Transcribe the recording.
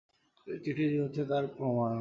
এই চিঠিটি হচ্ছে তার প্রমাণ।